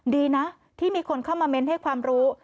ดีนะที่มีคนเข้ามาเม้นให้ความรู้